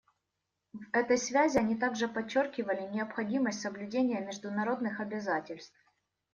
В этой связи они также подчеркивали необходимость соблюдения международных обязательств.